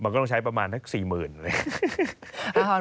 มันก็ต้องใช้ประมาณสัก๔๐๐๐เลย